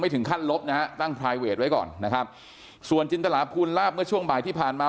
ถึงขั้นลบนะฮะตั้งพลายเวทไว้ก่อนนะครับส่วนจินตลาภูลลาบเมื่อช่วงบ่ายที่ผ่านมา